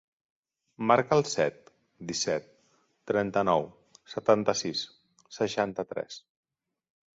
Marca el set, disset, trenta-nou, setanta-sis, seixanta-tres.